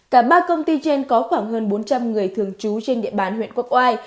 cả ba công ty trên có khoảng hơn bốn trăm linh người thường trú trên địa bàn huyện quốc oai